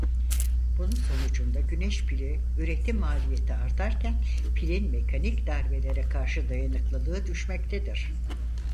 Bunun sonucunda güneş pili üretim maliyeti artarken pilin mekanik darbelere karşı dayanıklılığı düşmektedir.